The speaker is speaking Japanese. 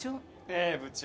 ええ部長。